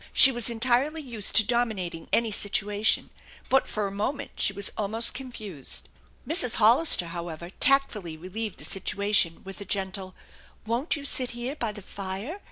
She was entirely used to dominating any situation, but for a moment she was almost confused. Mrs. Hollister, however, tactfully relieved the situation, with a gentle, " Won't you sit here by the fire